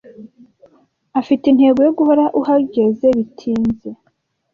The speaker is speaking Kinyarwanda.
Afite intego yo guhora uhageze bitinze.